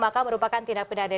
maka merupakan tindak pedana